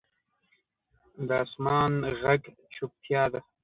د اسمان ږغ چوپتیا ده.